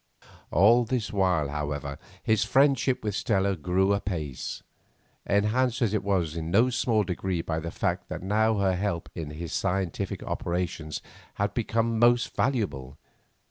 All this while, however, his own friendship with Stella grew apace, enhanced as it was in no small degree by the fact that now her help in his scientific operations had become most valuable.